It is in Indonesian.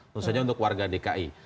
tentu saja untuk warga dki